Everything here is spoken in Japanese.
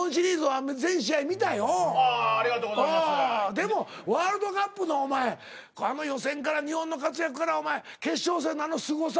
でもワールドカップのお前あの予選から日本の活躍からお前決勝戦のあのすごさ。